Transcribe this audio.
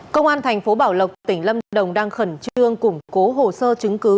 công an tp bảo lộc tỉnh lâm đồng đang khẩn trương củng cố hồ sơ chứng cứ